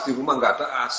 di rumah tidak ada ac